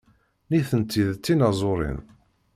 Nitenti d tinaẓurin.